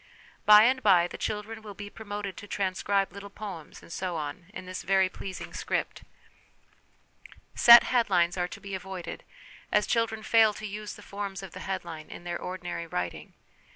By and by the children will be promoted to transcribe little poems, and so on, in this very pleasing script. 1 See Appendix A. 238 HOME EDUCATION Set headlines are to be avoided, as children fail to use the forms of the headline in their ordinary writing.